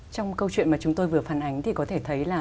trong câu chuyện mà chúng tôi vừa phản ánh thì có thể thấy là